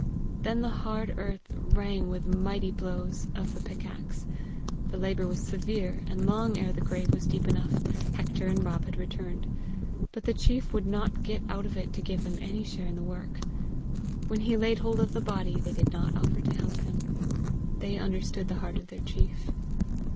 Then the hard earth rang with mighty blows of the pickaxe. The labour was severe, and long ere the grave was deep enough, Hector and Rob had returned; but the chief would not get out of it to give them any share in the work. When he laid hold of the body, they did not offer to help him; they understood the heart of their chief.